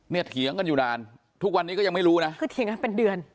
เถียงกันอยู่นานทุกวันนี้ก็ยังไม่รู้นะคือเถียงกันเป็นเดือน